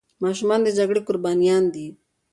ماشومان د جګړې قربانيان دي.